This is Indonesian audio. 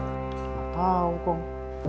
gak tau kong